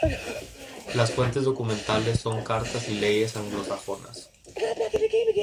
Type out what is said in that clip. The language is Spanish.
Las fuentes documentales son cartas y leyes anglosajonas.